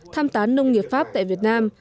tham tán nông nghiệp pháp tại việt nam